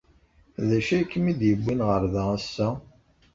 D acu ay kem-id-yewwin ɣer da ass-a?